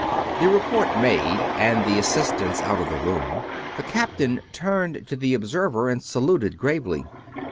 The report made and the assistants out of the room, the captain turned to the observer and saluted gravely.